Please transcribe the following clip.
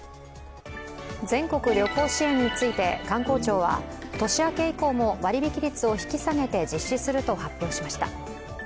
全国旅行支援について観光庁は、年明け以降も割引率を引き下げて実施すると発表しました。